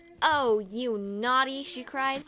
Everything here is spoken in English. "O you naughty!' she cried.